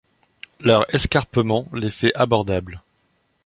Leur escarpement les fait abordables.